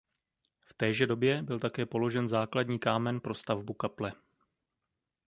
V téže době byl také položen základní kámen pro stavbu kaple.